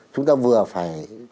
chúng ta vừa phải